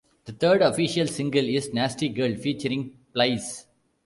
The third official single is "Nasty Girl", featuring Plies.